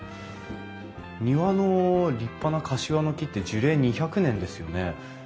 庭の立派なカシワの木って樹齢２００年ですよね？